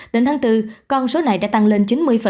đến tháng bốn con số này đã tăng lên chín mươi